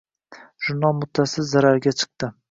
Jurnal muttasil zararga chiqdi.